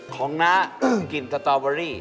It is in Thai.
ของน้ากลิ่นสตอร์เบอร์รี่